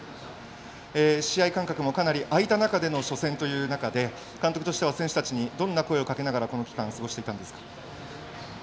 試合間隔もあいた中での初戦という中で監督としては選手たちにどんな声をかけながらこの期間を過ごしていたんですか。